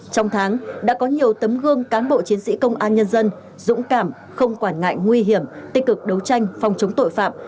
trong tháng đã có nhiều tấm gương cán bộ chiến sĩ công an nhân dân dũng cảm không quản ngại nguy hiểm tích cực đấu tranh phòng chống tội phạm